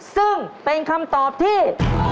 ซึ่งเป็นคำตอบที่